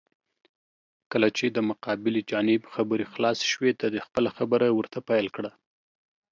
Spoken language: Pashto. کله چې د مقابل جانب خبرې خلاسې شوې، ته دې خپله خبره ورته پېل کړه.